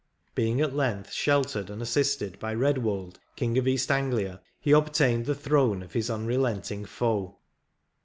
Being at length shel tered and assisted by Eedwold, king of East Anglia, he obtained the throne of his unrelenting foe.